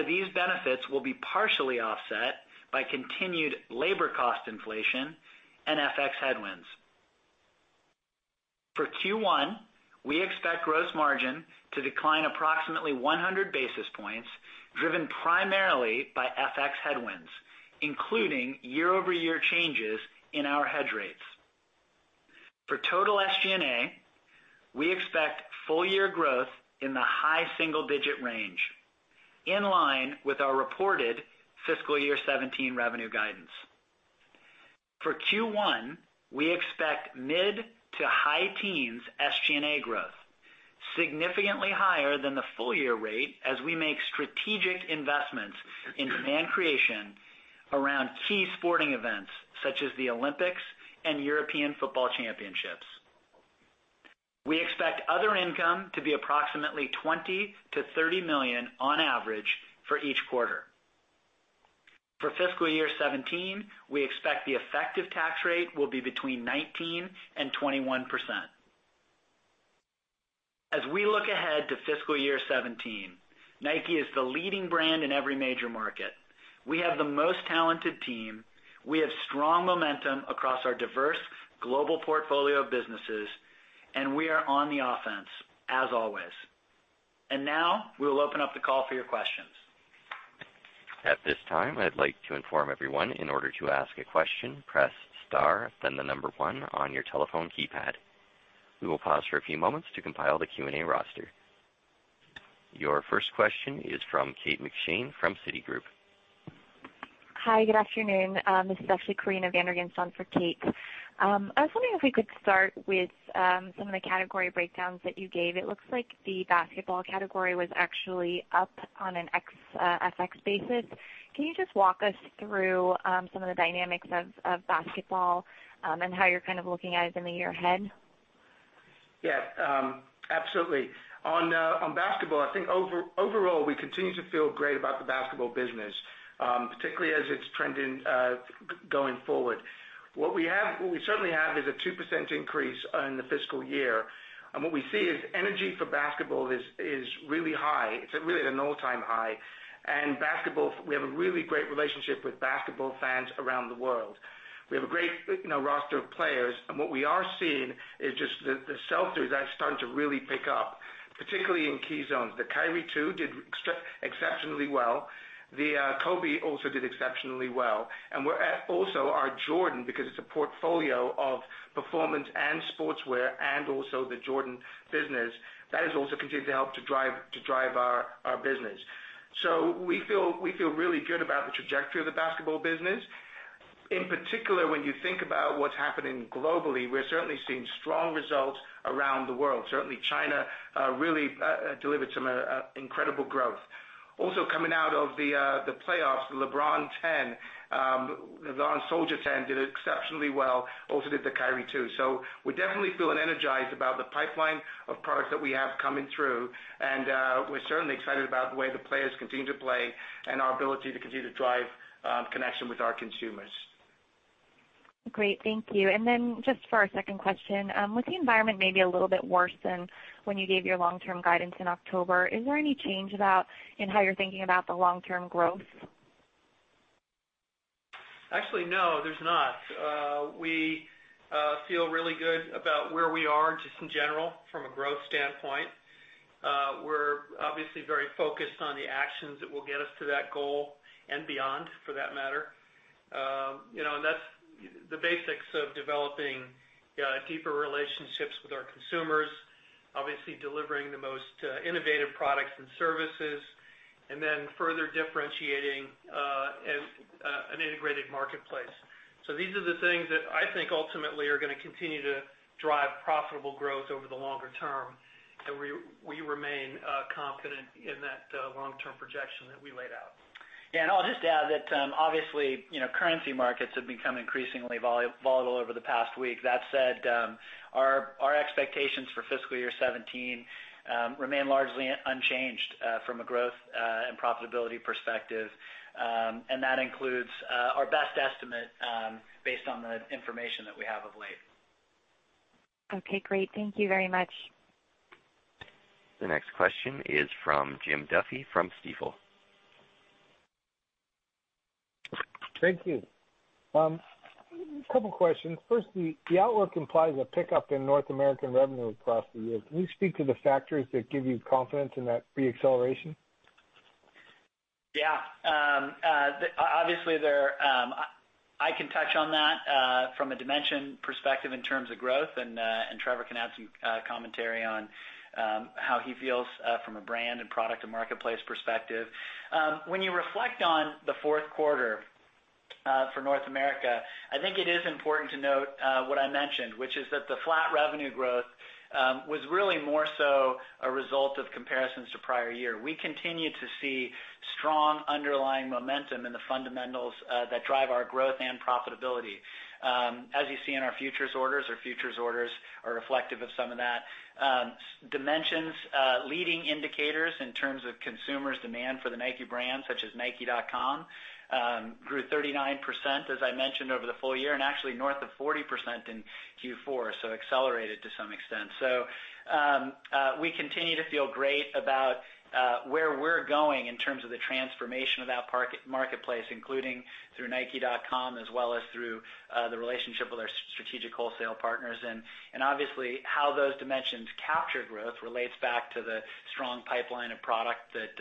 Speaker 5: These benefits will be partially offset by continued labor cost inflation and FX headwinds. For Q1, we expect gross margin to decline approximately 100 basis points, driven primarily by FX headwinds, including year-over-year changes in our hedge rates. For total SG&A, we expect full-year growth in the high single-digit range, in line with our reported fiscal year 2017 revenue guidance. For Q1, we expect mid to high teens SG&A growth significantly higher than the full year rate as we make strategic investments in demand creation around key sporting events such as the Olympics and European Football Championships. We expect other income to be approximately $20 million-$30 million on average for each quarter. For fiscal year 2017, we expect the effective tax rate will be between 19% and 21%. We look ahead to fiscal year 2017, Nike is the leading brand in every major market. We have the most talented team. We have strong momentum across our diverse global portfolio of businesses, and we are on the offense, as always. Now, we'll open up the call for your questions.
Speaker 1: At this time, I'd like to inform everyone, in order to ask a question, press star, then the number 1 on your telephone keypad. We will pause for a few moments to compile the Q&A roster. Your first question is from Kate McShane from Citigroup.
Speaker 6: Hi, good afternoon. This is actually Karina van der Ginst for Kate. I was wondering if we could start with some of the category breakdowns that you gave. It looks like the basketball category was actually up on an FX basis. Can you just walk us through some of the dynamics of basketball and how you're kind of looking at it in the year ahead?
Speaker 4: Yeah. Absolutely. On basketball, I think overall, we continue to feel great about the basketball business, particularly as it's trending going forward. What we certainly have is a 2% increase in the fiscal year. What we see is energy for basketball is really high. It's really at an all-time high. Basketball, we have a really great relationship with basketball fans around the world. We have a great roster of players, and what we are seeing is just the sell-throughs are starting to really pick up, particularly in key zones. The Kyrie 2 did exceptionally well. The Kobe also did exceptionally well. Also our Jordan, because it's a portfolio of performance and sportswear and also the Jordan business, that is also continuing to help to drive our business. We feel really good about the trajectory of the basketball business. In particular, when you think about what's happening globally, we're certainly seeing strong results around the world. Certainly, China really delivered some incredible growth. Also coming out of the playoffs, the LeBron Soldier 10 did exceptionally well, also did the Kyrie 2. We definitely feel energized about the pipeline of products that we have coming through, and we're certainly excited about the way the players continue to play and our ability to continue to drive connection with our consumers.
Speaker 6: Great. Thank you. Just for our second question, with the environment maybe a little bit worse than when you gave your long-term guidance in October, is there any change in how you're thinking about the long-term growth?
Speaker 3: Actually, no, there's not. We feel really good about where we are just in general from a growth standpoint. We're obviously very focused on the actions that will get us to that goal and beyond, for that matter. That's the basics of developing deeper relationships with our consumers, obviously delivering the most innovative products and services, and then further differentiating an integrated marketplace. These are the things that I think ultimately are going to continue to drive profitable growth over the longer term, and we remain confident in that long-term projection that we laid out.
Speaker 5: I'll just add that obviously, currency markets have become increasingly volatile over the past week. That said, our expectations for fiscal year 2017 remain largely unchanged from a growth and profitability perspective. That includes our best estimate based on the information that we have of late.
Speaker 6: Okay, great. Thank you very much.
Speaker 1: The next question is from Jim Duffy from Stifel.
Speaker 7: Thank you. Two questions. Firstly, the outlook implies a pickup in North American revenue across the year. Can you speak to the factors that give you confidence in that re-acceleration?
Speaker 5: Yeah. Obviously, I can touch on that from a dimension perspective in terms of growth, Trevor can add some commentary on how he feels from a brand and product and marketplace perspective. When you reflect on the fourth quarter for North America, I think it is important to note what I mentioned, which is that the flat revenue growth was really more so a result of comparisons to prior year. We continue to see strong underlying momentum in the fundamentals that drive our growth and profitability. As you see in our futures orders, our futures orders are reflective of some of that. Dimensions, leading indicators in terms of consumers' demand for the Nike brand, such as nike.com, grew 39%, as I mentioned, over the full year, and actually north of 40% in Q4, so accelerated to some extent. We continue to feel great about where we're going in terms of the transformation of that marketplace, including through nike.com, as well as through the relationship with our strategic wholesale partners. Obviously, how those dimensions capture growth relates back to the strong pipeline of product that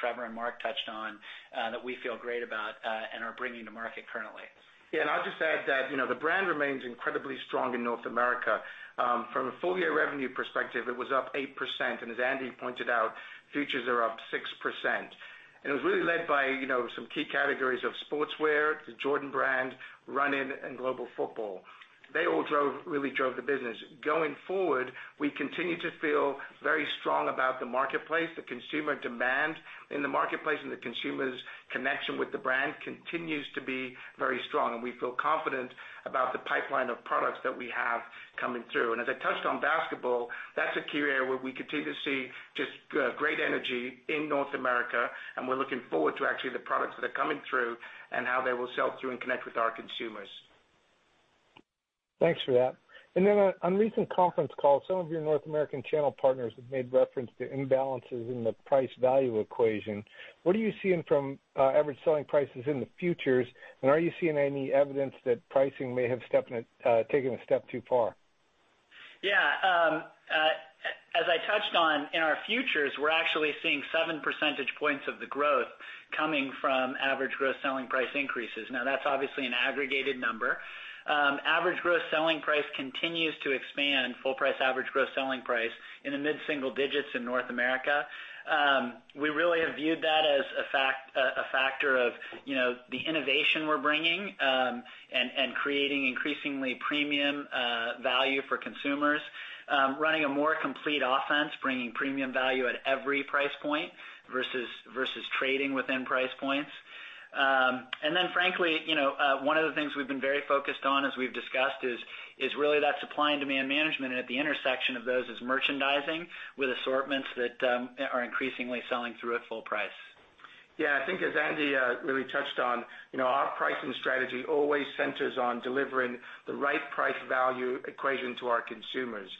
Speaker 5: Trevor and Mark touched on that we feel great about and are bringing to market currently.
Speaker 4: Yeah, I'll just add that the brand remains incredibly strong in North America. From a full-year revenue perspective, it was up 8%, as Andy pointed out, futures are up 6%. It was really led by some key categories of sportswear, the Jordan Brand, running, and global football. They all really drove the business. Going forward, we continue to feel very strong about the marketplace, the consumer demand in the marketplace, and the consumer's connection with the brand continues to be very strong. We feel confident about the pipeline of products that we have coming through. As I touched on basketball, that's a key area where we continue to see just great energy in North America, and we're looking forward to actually the products that are coming through and how they will sell through and connect with our consumers.
Speaker 7: Thanks for that. Then on a recent conference call, some of your North American channel partners have made reference to imbalances in the price-value equation. What are you seeing from average selling prices in the futures? Are you seeing any evidence that pricing may have taken a step too far?
Speaker 5: Yeah. As I touched on in our futures, we're actually seeing seven percentage points of the growth coming from average gross selling price increases. That's obviously an aggregated number. Average gross selling price continues to expand, full price average gross selling price, in the mid-single digits in North America. We really have viewed that as a factor of the innovation we're bringing and creating increasingly premium value for consumers. Running a more complete offense, bringing premium value at every price point versus trading within price points. Frankly, one of the things we've been very focused on, as we've discussed, is really that supply and demand management, and at the intersection of those is merchandising with assortments that are increasingly selling through at full price.
Speaker 4: Yeah, I think as Andy really touched on, our pricing strategy always centers on delivering the right price value equation to our consumers.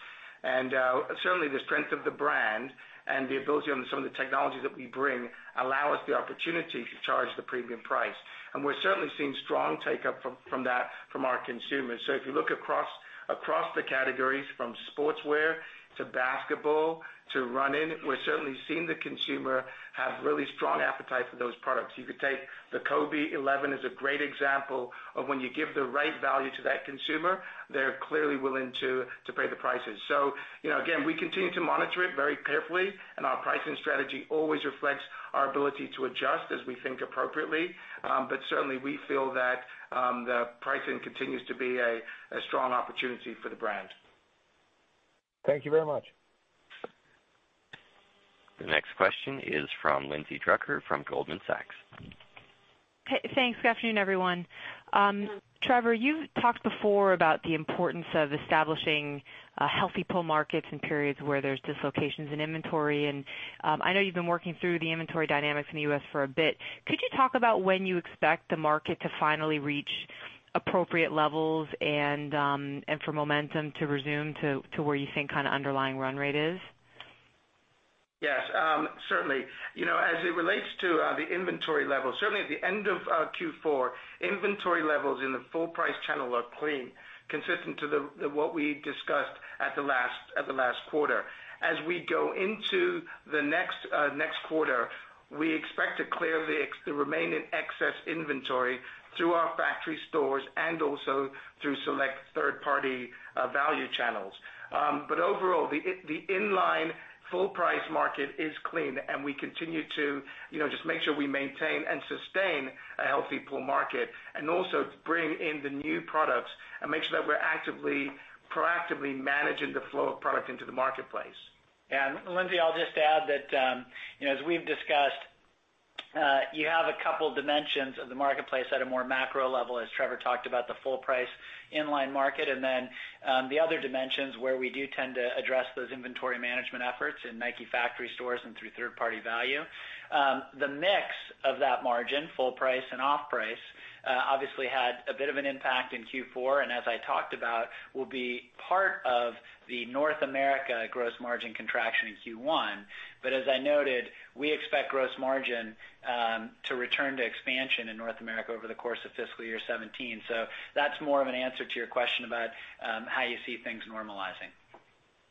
Speaker 4: Certainly, the strength of the brand and the ability on some of the technologies that we bring allow us the opportunity to charge the premium price. We're certainly seeing strong take-up from that from our consumers. If you look across the categories from sportswear to basketball to running, we're certainly seeing the consumer have really strong appetite for those products. You could take the Kobe 11 as a great example of when you give the right value to that consumer, they're clearly willing to pay the prices. Again, we continue to monitor it very carefully, and our pricing strategy always reflects our ability to adjust as we think appropriately. Certainly, we feel that the pricing continues to be a strong opportunity for the brand.
Speaker 7: Thank you very much.
Speaker 1: The next question is from Lindsay Drucker from Goldman Sachs.
Speaker 8: Hey, thanks. Good afternoon, everyone. Trevor, you've talked before about the importance of establishing healthy pull markets in periods where there's dislocations in inventory, and I know you've been working through the inventory dynamics in the U.S. for a bit. Could you talk about when you expect the market to finally reach appropriate levels and for momentum to resume to where you think underlying run rate is?
Speaker 4: Yes. Certainly. As it relates to the inventory levels, certainly at the end of Q4, inventory levels in the full price channel are clean, consistent to what we discussed at the last quarter. As we go into the next quarter, we expect to clear the remaining excess inventory through our factory stores and also through select third-party value channels. Overall, the in-line full price market is clean, and we continue to just make sure we maintain and sustain a healthy pull market and also bring in the new products and make sure that we're actively, proactively managing the flow of product into the marketplace.
Speaker 5: Lindsay, I'll just add that, as we've discussed, you have a couple dimensions of the marketplace at a more macro level, as Trevor talked about the full price in-line market, and then the other dimensions where we do tend to address those inventory management efforts in Nike factory stores and through third-party value. The mix of that margin, full price and off-price, obviously had a bit of an impact in Q4, and as I talked about, will be part of the North America gross margin contraction in Q1. As I noted, we expect gross margin to return to expansion in North America over the course of fiscal year 2017. That's more of an answer to your question about how you see things normalizing.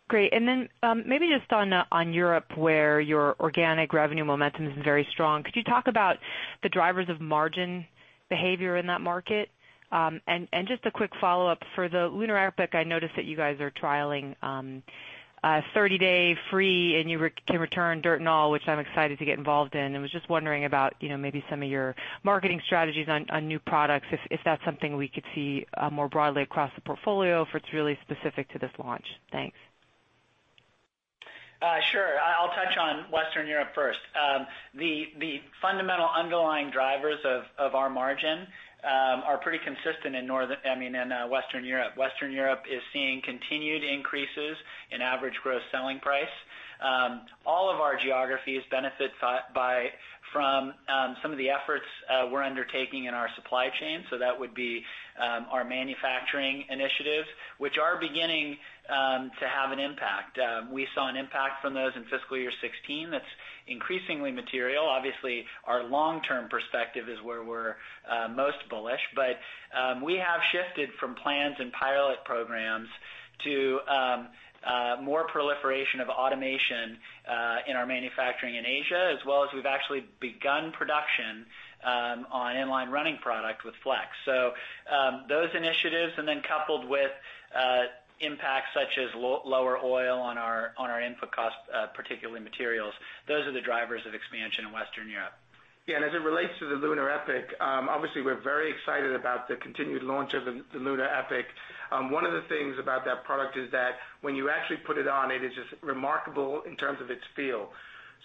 Speaker 8: Great. Maybe just on Europe, where your organic revenue momentum is very strong, could you talk about the drivers of margin behavior in that market? Just a quick follow-up for the LunarEpic, I noticed that you guys are trialing a 30-day free, and you can return dirt and all, which I'm excited to get involved in, and was just wondering about maybe some of your marketing strategies on new products, if that's something we could see more broadly across the portfolio, or if it's really specific to this launch. Thanks.
Speaker 5: Sure. I'll touch on Western Europe first. The fundamental underlying drivers of our margin are pretty consistent in Western Europe. Western Europe is seeing continued increases in average gross selling price. All of our geographies benefit from some of the efforts we're undertaking in our supply chain. That would be our manufacturing initiatives, which are beginning to have an impact. We saw an impact from those in fiscal year 2016. That's increasingly material. Obviously, our long-term perspective is where we're most bullish, but we have shifted from plans and pilot programs to more proliferation of automation in our manufacturing in Asia, as well as we've actually begun production on in-line running product with Flex. Those initiatives, and then coupled with impacts such as lower oil on our input costs, particularly materials, those are the drivers of expansion in Western Europe.
Speaker 4: As it relates to the LunarEpic, obviously, we're very excited about the continued launch of the LunarEpic. One of the things about that product is that when you actually put it on, it is just remarkable in terms of its feel.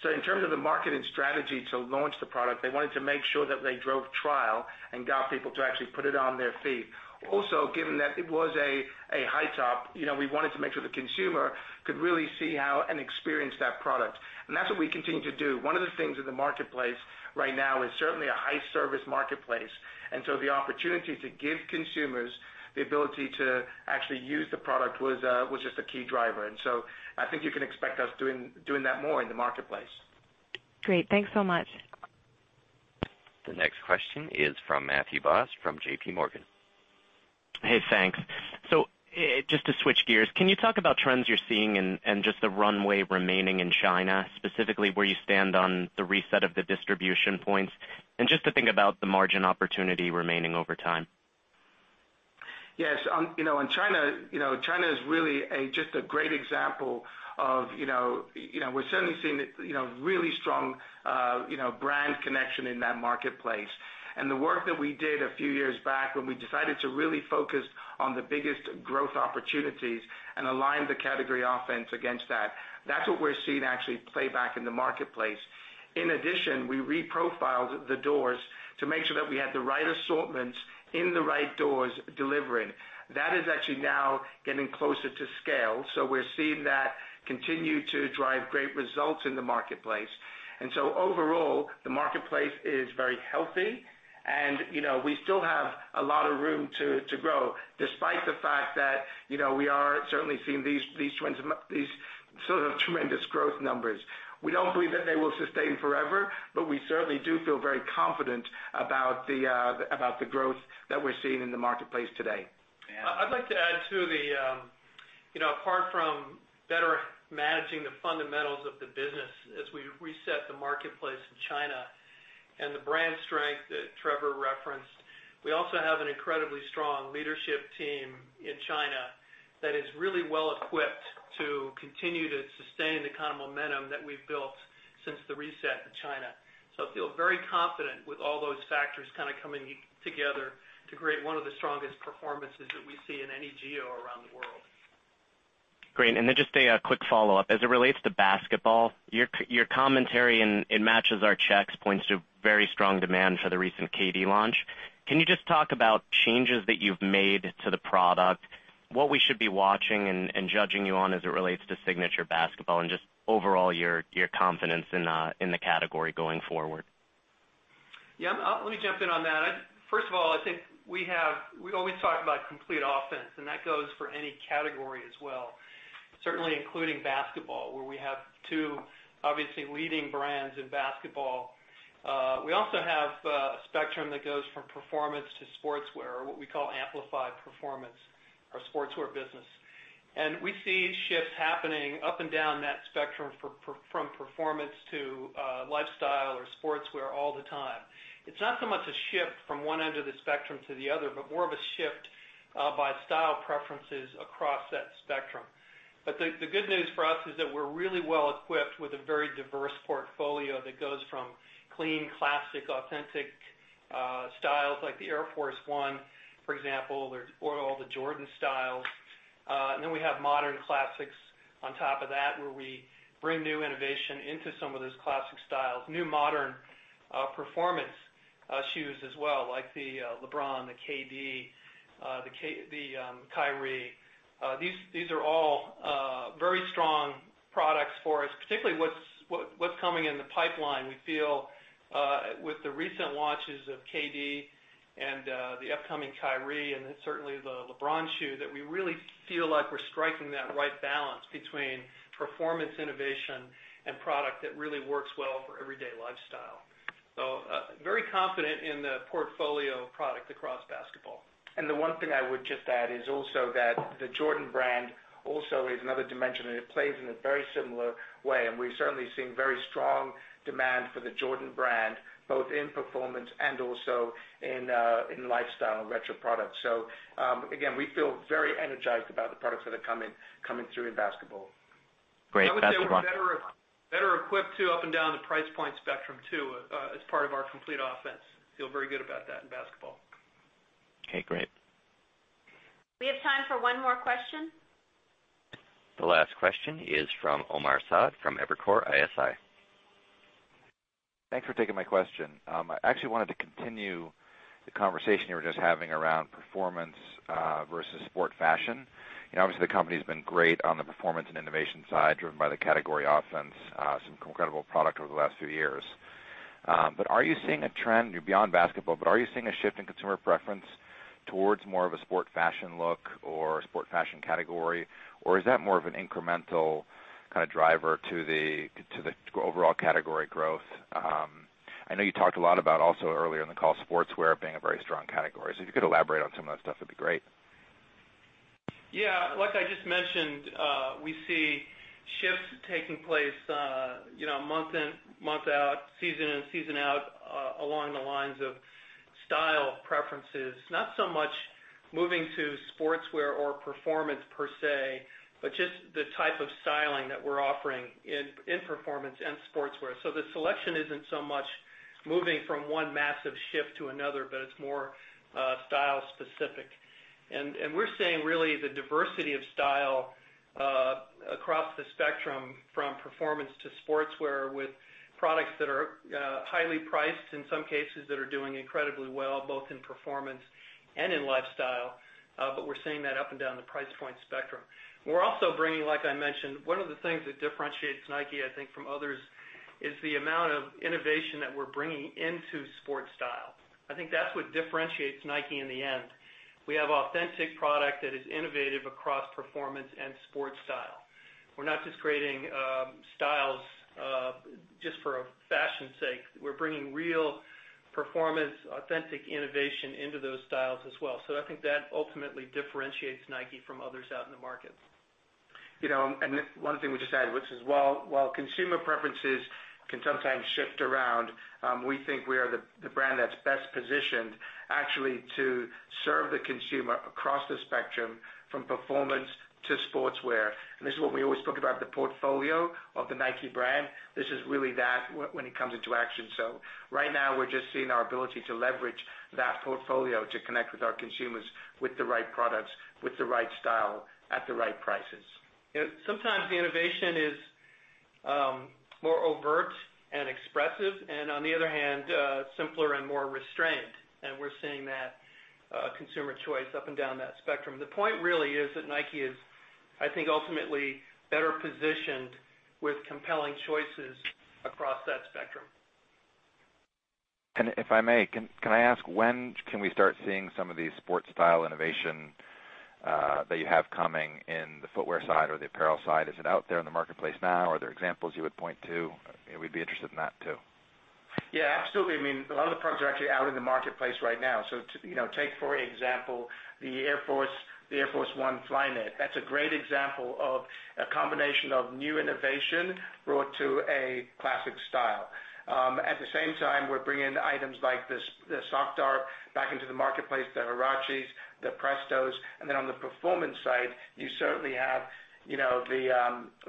Speaker 4: In terms of the market and strategy to launch the product, they wanted to make sure that they drove trial and got people to actually put it on their feet. Also, given that it was a high top, we wanted to make sure the consumer could really see how and experience that product. That's what we continue to do. One of the things in the marketplace right now is certainly a high service marketplace. The opportunity to give consumers the ability to actually use the product was just a key driver. I think you can expect us doing that more in the marketplace.
Speaker 8: Great. Thanks so much.
Speaker 1: The next question is from Matthew Boss from JPMorgan.
Speaker 9: Hey, thanks. Just to switch gears, can you talk about trends you're seeing and just the runway remaining in China, specifically where you stand on the reset of the distribution points? Just to think about the margin opportunity remaining over time.
Speaker 4: Yes. China is really just a great example. We're certainly seeing really strong brand connection in that marketplace. The work that we did a few years back when we decided to really focus on the biggest growth opportunities and align the category offense against that's what we're seeing actually play back in the marketplace. In addition, we re-profiled the doors to make sure that we had the right assortments in the right doors delivering. That is actually now getting closer to scale. We're seeing that continue to drive great results in the marketplace. Overall, the marketplace is very healthy and we still have a lot of room to grow, despite the fact that we are certainly seeing these sort of tremendous growth numbers. We don't believe that they will sustain forever, We certainly do feel very confident about the growth that we're seeing in the marketplace today.
Speaker 3: I'd like to add too, apart from better managing the fundamentals of the business as we reset the marketplace in China and the brand strength that Trevor referenced, we also have an incredibly strong leadership team in China that is really well equipped to continue to sustain the kind of momentum that we've built since the reset in China. I feel very confident with all those factors kind of coming together to create one of the strongest performances that we see in any geo around the world.
Speaker 9: Great. Just a quick follow-up. As it relates to basketball, your commentary, and it matches our checks, points to very strong demand for the recent KD launch. Can you just talk about changes that you've made to the product, what we should be watching and judging you on as it relates to signature basketball, and just overall, your confidence in the category going forward?
Speaker 3: Yeah. Let me jump in on that. First of all, I think we always talk about complete offense, That goes for any category as well, certainly including basketball, where we have two obviously leading brands in basketball. We also have a spectrum that goes from performance to sportswear, or what we call amplified performance, our sportswear business. We see shifts happening up and down that spectrum from performance to lifestyle or sportswear all the time. It's not so much a shift from one end of the spectrum to the other, More of a shift by style preferences across that spectrum. But the good news for us is that we're really well equipped with a very diverse portfolio that goes from clean, classic, authentic styles like the Air Force 1, for example, or all the Jordan styles. We have modern classics on top of that, where we bring new innovation into some of those classic styles. New modern performance shoes as well, like the LeBron, the KD, the Kyrie. These are all very strong products for us, particularly what's coming in the pipeline. We feel with the recent launches of KD and the upcoming Kyrie, and certainly the LeBron shoe, that we really feel like we're striking that right balance between performance innovation and product that really works well for everyday lifestyle. Very confident in the portfolio of product across basketball.
Speaker 4: The one thing I would just add is also that the Jordan Brand also is another dimension, and it plays in a very similar way. We're certainly seeing very strong demand for the Jordan Brand, both in performance and also in lifestyle and retro products. Again, we feel very energized about the products that are coming through in basketball.
Speaker 9: Great.
Speaker 3: I would say we're better equipped too up and down the price point spectrum too, as part of our complete offense. Feel very good about that in basketball.
Speaker 9: Okay, great.
Speaker 2: We have time for one more question.
Speaker 1: The last question is from Omar Saad from Evercore ISI.
Speaker 10: Thanks for taking my question. I actually wanted to continue the conversation you were just having around performance versus sport fashion. Obviously, the company's been great on the performance and innovation side, driven by the category offense. Some incredible product over the last few years. Are you seeing a trend, beyond basketball, but are you seeing a shift in consumer preference towards more of a sport fashion look or a sport fashion category? Is that more of an incremental kind of driver to the overall category growth? I know you talked a lot about also earlier in the call, sportswear being a very strong category. If you could elaborate on some of that stuff, it'd be great.
Speaker 3: Yeah. Like I just mentioned, we see shifts taking place month in, month out, season in, season out along the lines of style preferences, not so much moving to sportswear or performance per se, but just the type of styling that we're offering in performance and sportswear. The selection isn't so much moving from one massive shift to another, but it's more style specific. We're seeing really the diversity of style across the spectrum from performance to sportswear with products that are highly priced in some cases that are doing incredibly well, both in performance and in lifestyle. We're seeing that up and down the price point spectrum. We're also bringing, like I mentioned, one of the things that differentiates Nike, I think, from others, is the amount of innovation that we're bringing into sport style. I think that's what differentiates Nike in the end. We have authentic product that is innovative across performance and sport style. We're not just creating styles just for fashion's sake. We're bringing real performance, authentic innovation into those styles as well. I think that ultimately differentiates Nike from others out in the market.
Speaker 4: One thing we just added, which is while consumer preferences can sometimes shift around, we think we are the brand that's best positioned actually to serve the consumer across the spectrum from performance to sportswear. This is what we always talk about, the portfolio of the Nike Brand. This is really that when it comes into action. Right now, we're just seeing our ability to leverage that portfolio to connect with our consumers with the right products, with the right style, at the right prices.
Speaker 3: Sometimes the innovation is more overt and expressive and on the other hand, simpler and more restrained. We're seeing that consumer choice up and down that spectrum. The point really is that Nike is, I think, ultimately better positioned with compelling choices across that spectrum.
Speaker 10: If I may, can I ask when can we start seeing some of the sport style innovation that you have coming in the footwear side or the apparel side? Is it out there in the marketplace now? Are there examples you would point to? We'd be interested in that too.
Speaker 4: Yeah, absolutely. A lot of the products are actually out in the marketplace right now. Take for example, the Air Force 1 Flyknit. That's a great example of a combination of new innovation brought to a classic style. At the same time, we're bringing in items like the Sock Dart back into the marketplace, the Huaraches, the Prestos. Then on the performance side, we also have the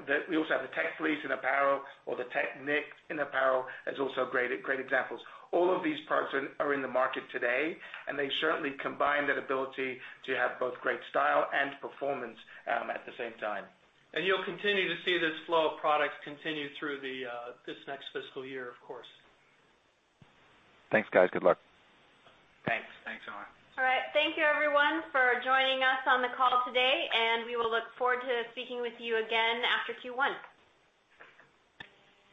Speaker 4: Tech Fleece in apparel or the Tech Knit in apparel as also great examples. All of these products are in the market today, and they certainly combine that ability to have both great style and performance at the same time.
Speaker 3: You'll continue to see this flow of products continue through this next fiscal year, of course.
Speaker 10: Thanks, guys. Good luck.
Speaker 4: Thanks.
Speaker 3: Thanks a lot.
Speaker 2: All right. Thank you everyone for joining us on the call today, and we will look forward to speaking with you again after Q1.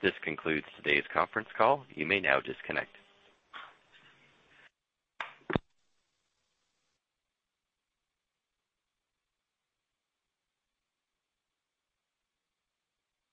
Speaker 1: This concludes today's conference call. You may now disconnect.